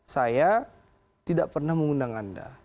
saya tidak pernah mengundang anda